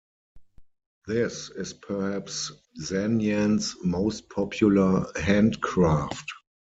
This is perhaps Zanjan's most popular handcraft.